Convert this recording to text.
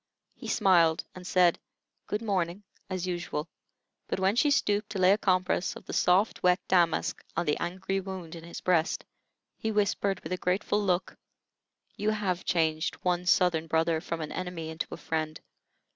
He smiled, and said, "Good morning," as usual, but when she stooped to lay a compress of the soft, wet damask on the angry wound in his breast, he whispered, with a grateful look: "You have changed one 'Southern brother' from an enemy into a friend.